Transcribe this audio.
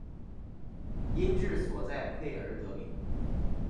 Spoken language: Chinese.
因治所在宛而得名。